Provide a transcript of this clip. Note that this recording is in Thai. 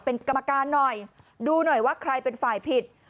เป็นกรรมการหน่อยดูหน่อยว่าใครเป็นฝ่ายผิด